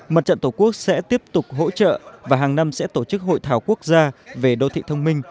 mặt trận tổ quốc sẽ tiếp tục hỗ trợ và hàng năm sẽ tổ chức hội thảo quốc gia về đô thị thông minh